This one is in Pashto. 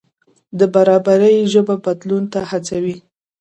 د برابرۍ ژبه بدلون ته هڅوي.